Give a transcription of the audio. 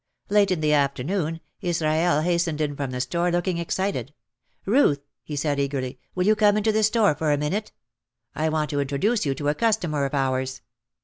Late in the afternoon Israel hastened in from the store looking excited. "Ruth," he said eagerly, "will you come into the store for a minute? I want to introduce you to a customer of ours."